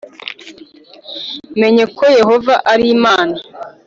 namenye ko Yehova ari Imana.